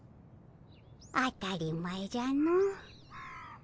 当たり前じゃの。